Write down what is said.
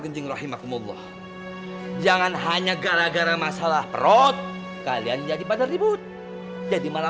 genjing rahim akumullah jangan hanya gara gara masalah perut kalian jadi pada ribut jadi malah